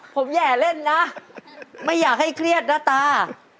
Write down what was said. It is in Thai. ผมแห่เล่นนะไม่อยากให้เครียดนะตา